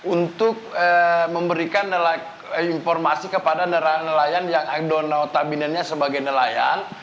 untuk memberikan informasi kepada nelayan nelayan yang agdonotabinennya sebagai nelayan